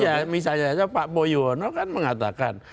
iya misalnya pak boyuono kan mengatakan